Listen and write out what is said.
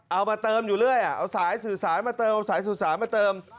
เอามาเติมอยู่เรื่อยเอาสายสื่อสารมาเติมเอาสายสื่อสารมาเติม